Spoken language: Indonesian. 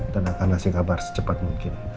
dan akan ngasih kabar secepat mungkin